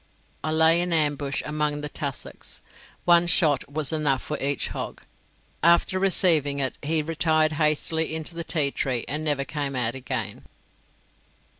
I lay in ambush among the tussocks. One shot was enough for each hog; after receiving it he retired hastily into the tea tree and never came out again.